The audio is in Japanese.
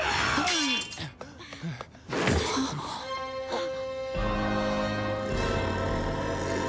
あっ。